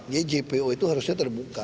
jadi jpo itu harusnya terbuka